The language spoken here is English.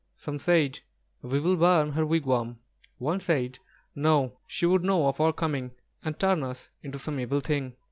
Some said, "We will burn her wigwam;" one said: "No, she would know of our coming and turn us into some evil thing!"